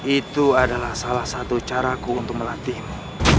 itu adalah salah satu caraku untuk melatihmu